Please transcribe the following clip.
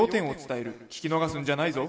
聞き逃すんじゃないぞ」。